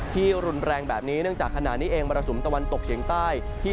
รุนแรงแบบนี้เนื่องจากขณะนี้เองมรสุมตะวันตกเฉียงใต้ที่